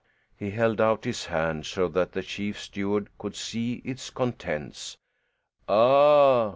He held out his hand so that the chief steward could see its contents. "Ah?"